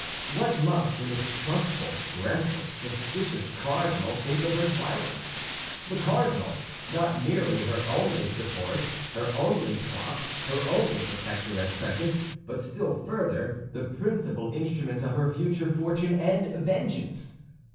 What must the mistrustful, restless, suspicious cardinal think of her silence—the cardinal, not merely her only support, her only prop, her only protector at present, but still further, the principal instrument of her future fortune and vengeance?